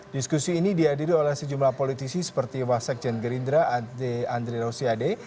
diskusi ini diadiri oleh sejumlah politisi seperti wasak jan gerindra andri rosiade